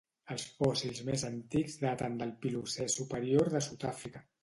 Els fòssils més antics daten del Pliocè superior de Sud-àfrica.